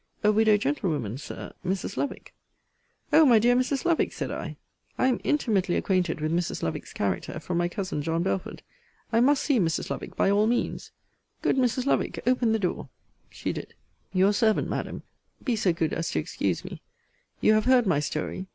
A widow gentlewoman, Sir. Mrs. Lovick. O my dear Mrs. Lovick! said I. I am intimately acquainted with Mrs. Lovick's character, from my cousin John Belford. I must see Mrs. Lovick by all means. Good Mrs. Lovick, open the door. She did. Your servant, Madam. Be so good as to excuse me. You have heard my story.